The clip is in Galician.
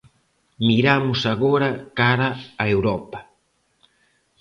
Miramos agora cara a Europa.